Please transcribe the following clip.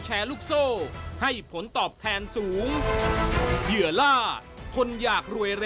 ชุวิตตีแสงหน้า